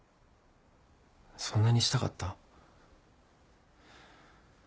そんなにしたかった？